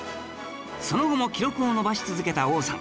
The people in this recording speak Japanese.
その後も記録を伸ばし続けた王さん